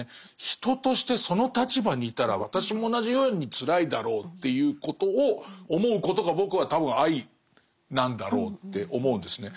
人としてその立場にいたら私も同じようにつらいだろうっていうことを思うことが僕は多分愛なんだろうって思うんですね。